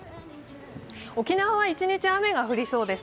沖縄は一日雨が降りそうです。